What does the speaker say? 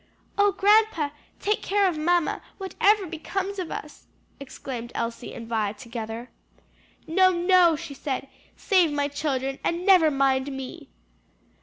"O grandpa, take care of mamma, whatever becomes of us!" exclaimed Elsie and Vi together. "No, no!" she said, "save my children and never mind me."